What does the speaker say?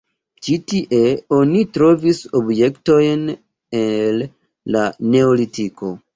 Ĉi tie oni trovis objektojn el la neolitiko.